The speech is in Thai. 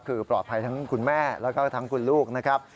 คือปลอดภัยทั้งคุณแม่แล้วก็ทั้งคุณลูกนะครับ